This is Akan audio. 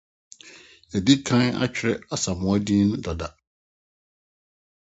Yɛadi kan akyerɛw Asamoah din no dedaw.